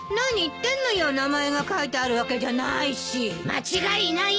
間違いない。